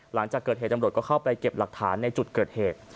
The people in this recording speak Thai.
หลังจากเกิดเหตุตำรวจก็เข้าไปเก็บหลักฐานในจุดเกิดเหตุ